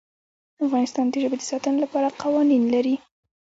افغانستان د ژبې د ساتنې لپاره قوانین لري.